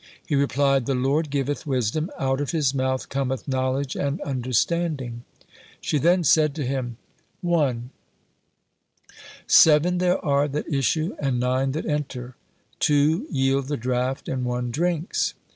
He replied: "The Lord giveth wisdom, out of His mouth cometh knowledge and understanding." She then said to him: 1. "Seven there are that issue and nine that enter; two yield the draught and one drinks."